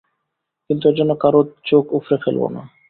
কিন্তু এর জন্য কারো চোখ উপড়ে ফেলব না।